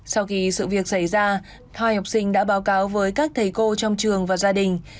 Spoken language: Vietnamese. sau khi sự việc xảy ra hai học sinh đã báo cáo với các thầy cô trong trường và gia đình